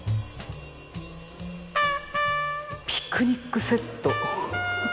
ピクニックセット。